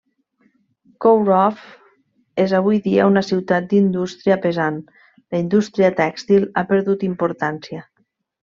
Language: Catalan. Kovrov és avui dia una ciutat d'indústria pesant, la indústria tèxtil ha perdut importància.